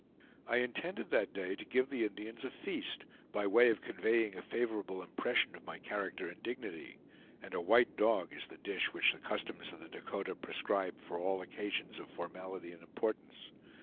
I intended that day to give the Indians a feast, by way of conveying a favorable impression of my character and dignity; and a white dog is the dish which the customs of the Dakota prescribe for all occasions of formality and importance.